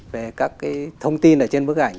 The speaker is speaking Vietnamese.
về các cái thông tin ở trên bức ảnh